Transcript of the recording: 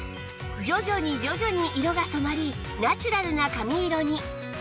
徐々に徐々に色が染まりナチュラルな髪色に！